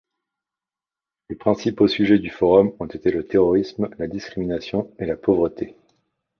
Les principaux sujets du Forum ont été le terrorisme, la discrimination et la pauvreté.